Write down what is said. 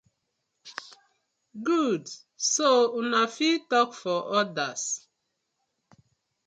Good so una fit tok for others.